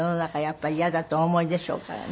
やっぱり嫌だとお思いでしょうからね。